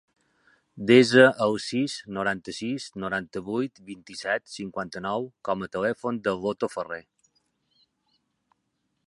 Desa el sis, noranta-sis, noranta-vuit, vint-i-set, cinquanta-nou com a telèfon de l'Oto Ferrer.